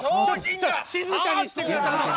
ちょっと静かにしてください！